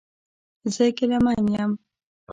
زه ګیلمن یم